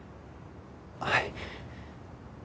はい。